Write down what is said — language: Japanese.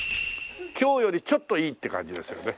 凶よりちょっといいって感じですよね。